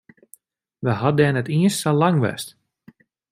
We hawwe dêr net iens sa lang west.